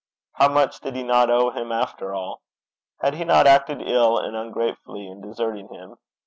How much did he not owe him, after all! Had he not acted ill and ungratefully in deserting him?